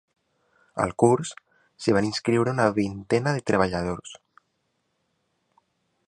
Al curs, s’hi van inscriure una vintena de treballadors.